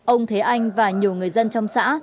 ông thế anh và nhiều người dân trong xã